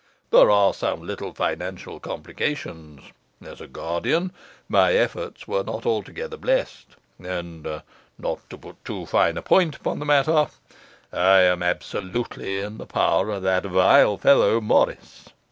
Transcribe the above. There are some little financial complications; as a guardian, my efforts were not altogether blessed; and not to put too fine a point upon the matter, I am absolutely in the power of that vile fellow, Morris.